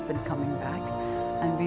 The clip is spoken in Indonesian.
beberapa orang telah kembali